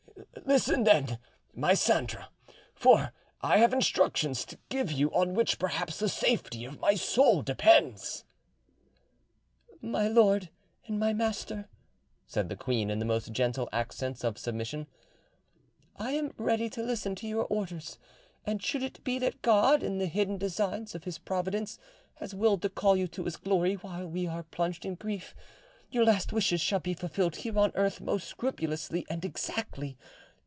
Listen then, my Sandra, for I have instructions to give you on which perhaps the safety of my soul depends." "My lord and my master," said the queen in the most gentle accents of submission, "I am ready to listen to your orders; and should it be that God, in the hidden designs of His providence, has willed to call you to His glory while we are plunged in grief, your last wishes shall be fulfilled here on earth most scrupulously and exactly.